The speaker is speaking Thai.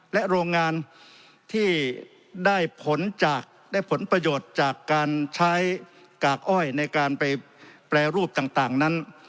และโรงงานที่ได้ผลจากได้ผลประโยชน์จากการใช้กากอ้อยในการไปแปรรูปต่างนั้น